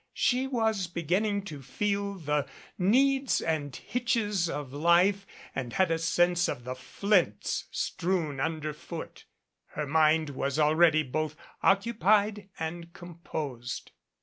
She was beginning to feel the "needs and hitches" of life and had a sense of the flints strewn under foot. Her mind was already both occupied and composed.